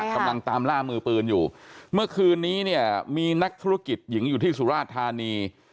กำลังตามล่ามือปืนอยู่เมื่อคืนนี้เนี่ยมีนักธุรกิจหญิงอยู่ที่สุราธานี